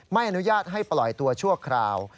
ไม่อนุญาตให้ปล่อยตัวชั่วคราว